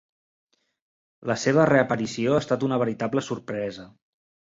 La seva reaparició ha estat una veritable sorpresa.